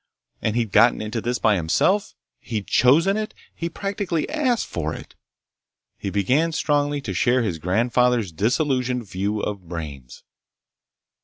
And he'd gotten into this by himself! He'd chosen it! He'd practically asked for it! He began strongly to share his grandfather's disillusioned view of brains.